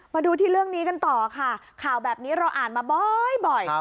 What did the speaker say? มาดูที่เรื่องนี้กันต่อค่ะข่าวแบบนี้เราอ่านมาบ่อย